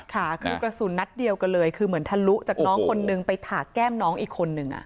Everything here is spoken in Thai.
ค่ะคือกระสุนนัดเดียวกันเลยคือเหมือนทะลุจากน้องคนนึงไปถากแก้มน้องอีกคนนึง